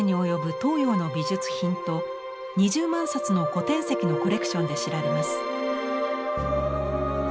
東洋の美術品と２０万冊の古典籍のコレクションで知られます。